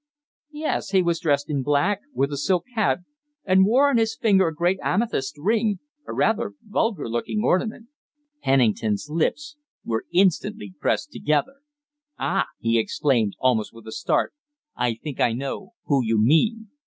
"Yes. He was dressed in black, with a silk hat and wore on his finger a great amethyst ring a rather vulgar looking ornament." Pennington's lips were instantly pressed together. "Ah!" he exclaimed, almost with a start, "I think I know who you mean.